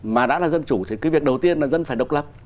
mà đã là dân chủ thì cái việc đầu tiên là dân phải độc lập